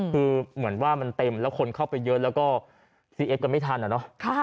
คือเหมือนว่ามันเต็มแล้วคนเข้าไปเยอะแล้วก็ซีเอฟกันไม่ทันอะเนาะ